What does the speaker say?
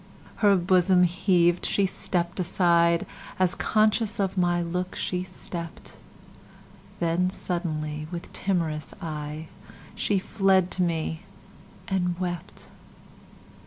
Her bosom heaved—she stepp'd aside, As conscious of my look she stept—Then suddenly, with timorous eyeShe fled to me and wept.